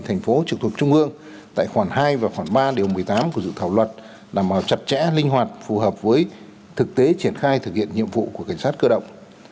thành phố trực thuộc trung ương tại khoản hai và khoảng ba điều một mươi tám của dự thảo luật đảm bảo chặt chẽ linh hoạt phù hợp với thực tế triển khai thực hiện nhiệm vụ của cảnh sát cơ động